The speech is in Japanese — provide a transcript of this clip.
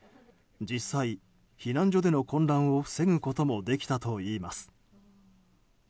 実際、避難所での混乱を防ぐこともできたといいます。